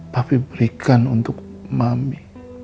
papi berikan untuk mami